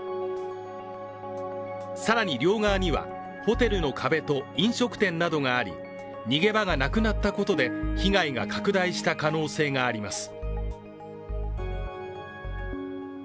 更に両側には、ホテルの壁と飲食店などがあり、逃げ場がなくなったことで被害が拡大した可能性があります。